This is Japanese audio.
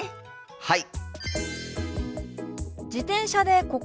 はい！